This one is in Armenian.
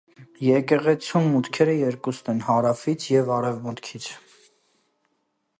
Եկեղեցու մուտքերը երկուսն են՝ հարավից և արևմուտքից։